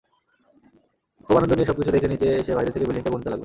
খুব আনন্দ নিয়ে সবকিছু দেখে নিচে এসে বাইরে থেকে বিল্ডিংটা গুনতে লাগলে।